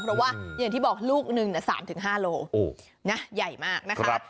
เพราะว่าอย่างที่บอกลูกหนึ่งเนี่ย๓๕โลกรัมน่ะใหญ่มากนะคะ